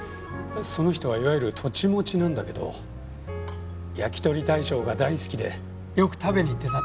その人はいわゆる土地持ちなんだけどやきとり大将が大好きでよく食べに行ってたって言うんだ。